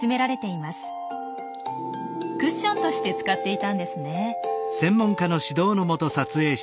クッションとして使っていたんですね。